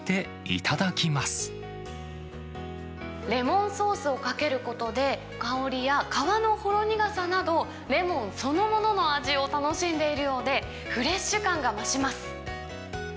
レモンソースをかけることで、香りや皮のほろ苦さなど、レモンそのものの味を楽しんでいるようで、フレッシュ感が増します。